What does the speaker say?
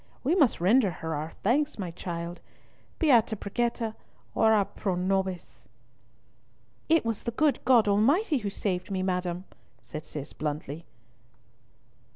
We must render her our thanks, my child. Beata Brigitta, ora pro nobis." "It was the good God Almighty who saved me, madam," said Cis bluntly.